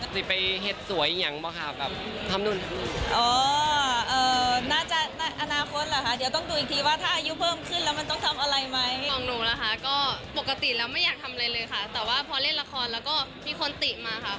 แต่ว่าเพราะเล่นละครแล้วอีกคนติมาค่ะ